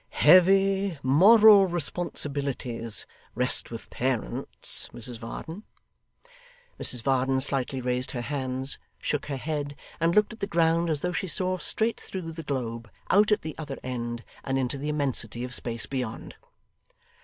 'Heavy moral responsibilities rest with parents, Mrs Varden.' Mrs Varden slightly raised her hands, shook her head, and looked at the ground as though she saw straight through the globe, out at the other end, and into the immensity of space beyond.